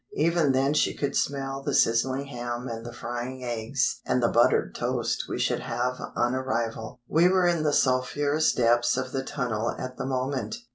Even then she could smell the sizzling ham and the frying eggs and the buttered toast we should have on arrival. We were in the sulphurous depths of the tunnel at the moment.